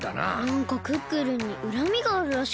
なんかクックルンにうらみがあるらしくて。